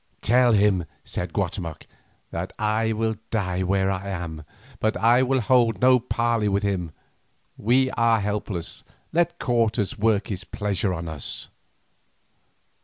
"Tell him," said Guatemoc, "that I will die where I am, but that I will hold no parley with him. We are helpless, let Cortes work his pleasure on us."